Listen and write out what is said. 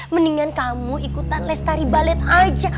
mendingan kamu ikutan les tari balet aja